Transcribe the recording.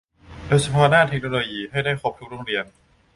โดยเฉพาะด้านเทคโนโลยีให้ได้ครบทุกโรงเรียน